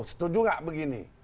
setuju enggak begini